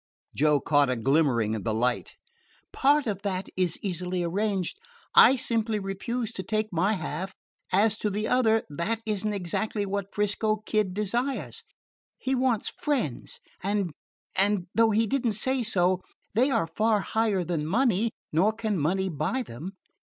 Joe caught a glimmering of the light. "Part of that is easily arranged. I simply refuse to take my half. As to the other that is n't exactly what 'Frisco Kid desires. He wants friends and and though you did n't say so, they are far higher than money, nor can money buy them.